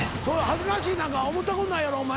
恥ずかしいなんか思ったことないやろお前